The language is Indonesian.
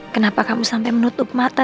kenapa kamu sampai menutup mata